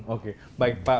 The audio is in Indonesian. oke baik pak